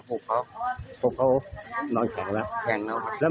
ปลูกเขานอนแข็งแล้ว